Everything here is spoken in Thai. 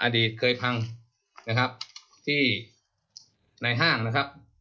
อดีตเคยพังนะครับที่ในห้างนะครับ